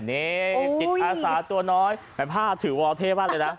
นี่จิตอาสาตัวน้อยแต่ภาพถือวอลเท่มากเลยนะ